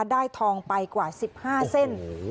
ได้ทองไปกว่าสิบห้าเส้นโอ้โห